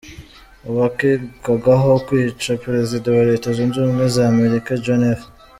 Uwakekwagaho kwica perezida wa Leta zunze ubumwe za Amerika John F.